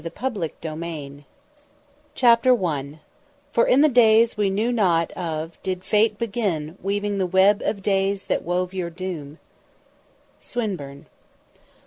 ] THE HAWK OF EGYPT CHAPTER I "For in the days we know not of Did fate begin Weaving the web of days that wove Your doom." SWINBURNE.